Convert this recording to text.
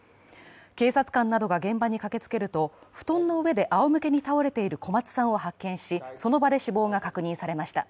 警察官などが現場に駆けつけると布団の上であおむけに倒れている小松さんを発見し、その場で死亡が確認されました。